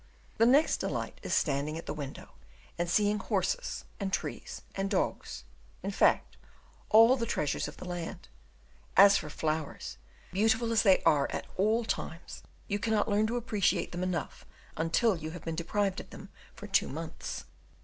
The next delight is standing at the window, and seeing horses, and trees, and dogs in fact, all the "treasures of the land;" as for flowers beautiful as they are at all times you cannot learn to appreciate them enough until you have been deprived of them for two months.